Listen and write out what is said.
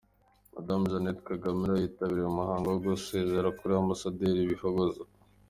Madamu Jeannette Kagame nawe yitabiriye uyu muhango wo gusezera kuri Ambasaderi Bihozagara.